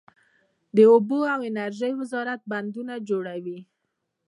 د اوبو او انرژۍ وزارت بندونه جوړوي